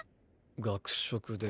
学食で。